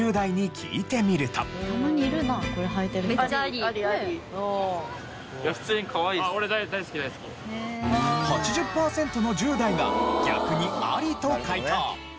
今の８０パーセントの１０代が逆にアリと回答。